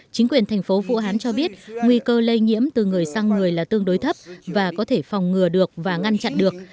chính quyền thành phố vũ hán cho biết nguy cơ lây nhiễm từ người sang người là tương đối thấp và có thể phòng ngừa được và ngăn chặn được